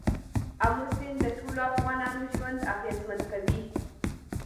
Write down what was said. آمو سیند د ټولو افغانانو ژوند اغېزمن کوي.